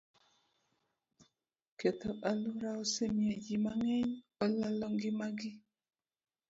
Ketho alwora osemiyo ji mang'eny olalo ngimagi.